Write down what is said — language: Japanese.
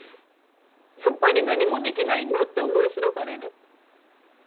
やっぱり何もできないんだって思い知らされる。